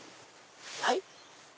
はい！